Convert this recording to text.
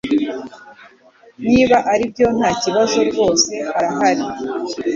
Niba aribyo, ntakibazo rwose, harahari?